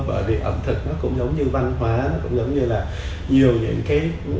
bởi vì ẩm thực nó cũng giống như văn hóa cũng giống như là nhiều những cái